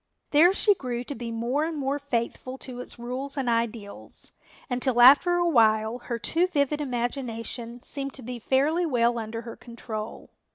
There she grew to be more and more faithful to its rules and ideals, until after a while her too vivid imagination seemed to be fairly well under her control.